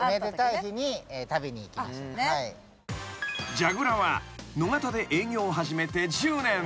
［じゃぐらは野方で営業を始めて１０年］